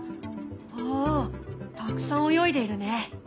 おおたくさん泳いでいるね。